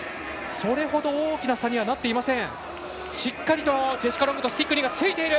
それほど大きな差にはなっていません。